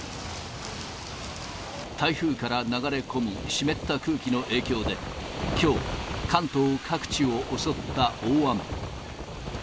台風から流れ込む湿った空気の影響で、きょう、関東各地を襲った大雨。